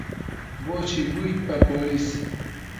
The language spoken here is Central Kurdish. بۆچی بوویت بە پۆلیس؟